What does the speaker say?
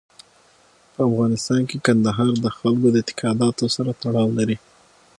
په افغانستان کې کندهار د خلکو د اعتقاداتو سره تړاو لري.